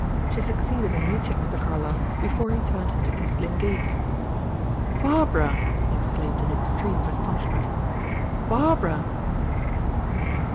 She succeeded in reaching Mr. Carlyle before he turned into East Lynne gates. "Barbara!" he exclaimed in the extreme of astonishment. "Barbara!"